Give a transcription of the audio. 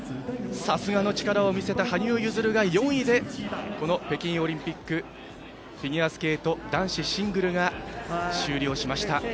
さすがの力を見せた羽生結弦が４位で北京オリンピックフィギュアスケート男子シングルが終了しました。